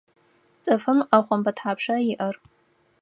Цӏыфым ӏэхъомбэ тхьапша иӏэр?